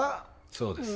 そうです。